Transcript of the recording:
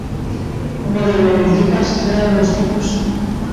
O modo de identificarse será de dous tipos.